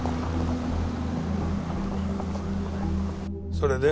それで？